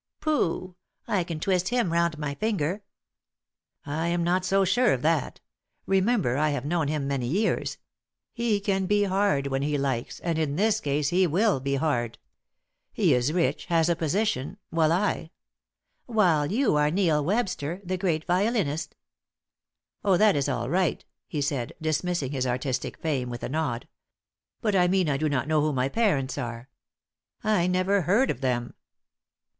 Pooh! I can twist him round my finger." "I am not so sure of that. Remember, I have known him many years. He can be hard when he likes, and in this case he will be hard. He is rich, has a position, while I " "While you are Neil Webster, the great violinist." "Oh that is all right," he said, dismissing his artistic fame with a nod. "But I mean I do not know who my parents are. I never heard of them."